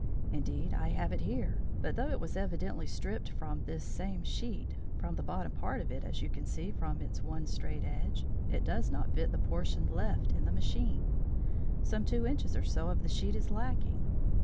Indeed, I have it here. But though it was evidently stripped from this same sheet from the bottom part of it, as you can see from its one straight edge it does not fit the portion left in the machine. Some two inches or so of the sheet is lacking.